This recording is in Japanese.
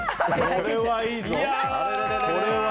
これはいいぞ。